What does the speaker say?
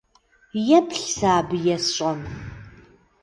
Еплъ сэ абы есщӏэм.